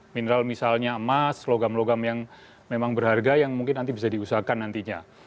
mineral misalnya emas logam logam yang memang berharga yang mungkin nanti bisa diusahakan nantinya